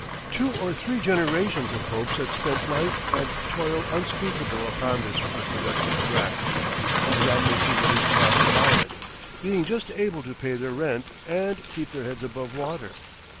Two or three generations of Hopes had spent life and toil unspeakable upon this unproductive tract, without making the least profit by it; being just able to pay their rent, and keep their heads above water.